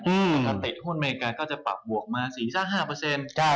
อันตรีทุนอเมริกาก็จะปรับบวกมาสี่สัก๕